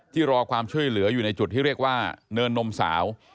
รอความช่วยเหลืออยู่ในจุดที่เรียกว่าเนินนมสาว